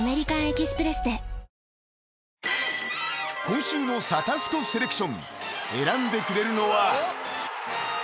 ［今週のサタフトセレクション選んでくれるのは］